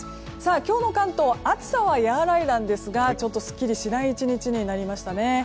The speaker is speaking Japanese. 今日の関東暑さは和らいだんですがちょっとすっきりしない１日になりましたね。